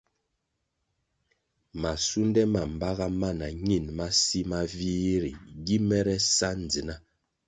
Masunde ma baga ma na ñin masi ma vih ri gi mere ri sa ndzina.